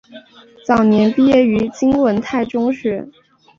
早年毕业于金文泰中学。